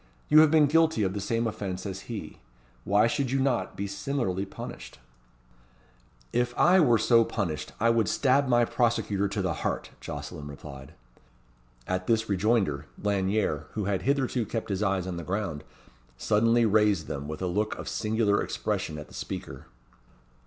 "You have been guilty of the same offence as he. Why should you not be similarly punished?" "If I were so punished, I would stab my prosecutor to the heart," Jocelyn replied. At this rejoinder, Lanyere, who had hitherto kept his eyes on the ground, suddenly raised them, with a look of singular expression at the speaker.